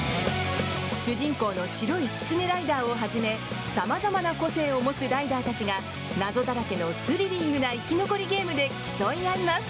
主人公の白いキツネライダーをはじめ様々な個性を持つライダーたちが謎だらけのスリリングな生き残りゲームで競い合います。